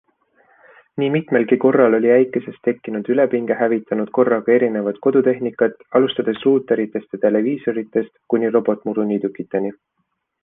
Nii mitmelgi korral oli äikesest tekkinud ülepinge hävitanud korraga erinevat kodutehnikat alustades ruuteritest ja televiisoritest kuni robotmuruniidukiteni.